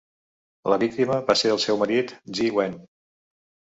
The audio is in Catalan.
La víctima va ser el seu marit Zi Wen.